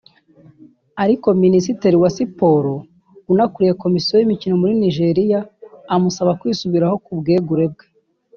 ariko Minisitiri wa Siporo unakuriye komisiyo y’imikino muri Nigeria amusaba kwisubiraho ku bwegure bwe